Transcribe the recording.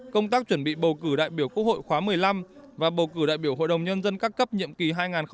công tác chuẩn bị bầu cử đại biểu quốc hội khóa một mươi năm và bầu cử đại biểu hội đồng nhân dân các cấp nhiệm kỳ hai nghìn hai mươi một hai nghìn hai mươi sáu